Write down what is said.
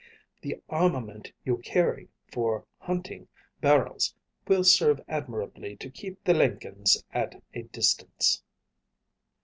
"The armament you carry for hunting bharals will serve admirably to keep the Lenkens at a distance."